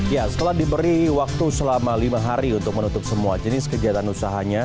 ya setelah diberi waktu selama lima hari untuk menutup semua jenis kegiatan usahanya